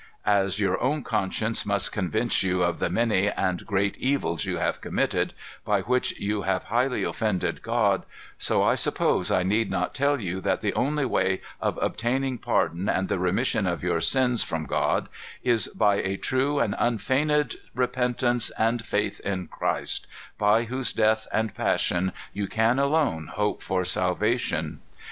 "As your own conscience must convince you of the many and great evils you have committed, by which you have highly offended God, so I suppose I need not tell you that the only way of obtaining pardon and the remission of your sins from God, is by a true and unfeigned repentance, and faith in Christ, by whose death and passion you can alone hope for salvation.